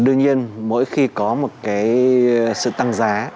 đương nhiên mỗi khi có một cái sự tăng giá